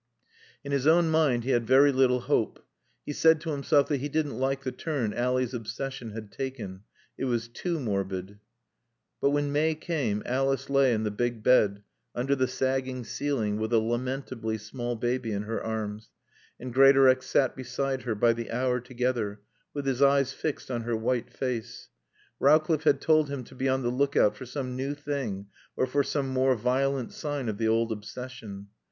In his own mind he had very little hope. He said to himself that he didn't like the turn Ally's obsession had taken. It was too morbid. But when May came Alice lay in the big bed under the sagging ceiling with a lamentably small baby in her arms, and Greatorex sat beside her by the hour together, with his eyes fixed on her white face. Rowcliffe had told him to be on the lookout for some new thing or for some more violent sign of the old obsession.